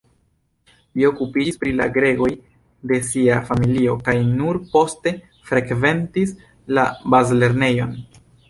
Li okupiĝis pri la gregoj de sia familio kaj nur poste frekventis la bazlernejon.